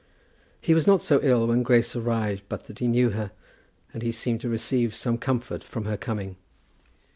He was not so ill when Grace arrived but that he knew her, and he seemed to receive some comfort from her coming.